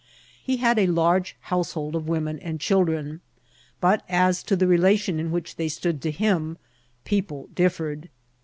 He had a large household of women and children ; but as to the relation in which they stood to him, people diSet* ed.